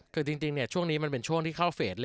คือจริงเนี่ยช่วงนี้เป็นช่วงที่เข้าเฟส